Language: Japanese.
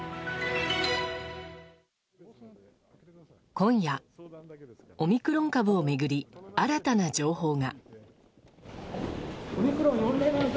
今夜、オミクロン株を巡り新たな情報が。